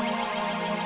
sampai jumpa lagi